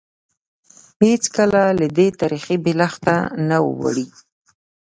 هېڅکله له دغه تاریخي بېلښته نه اوړي.